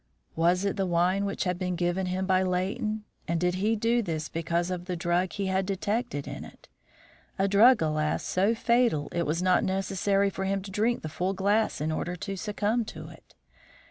Was it the wine which had been given him by Leighton, and did he do this because of the drug he had detected in it? a drug, alas! so fatal, it was not necessary for him to drink the full glass in order to succumb to it?